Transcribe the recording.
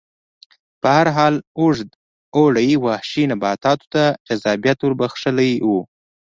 په هر حال اوږد اوړي وحشي نباتاتو ته جذابیت ور بخښلی و